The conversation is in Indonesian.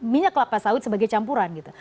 minyak lapas awit sebagai campuran gitu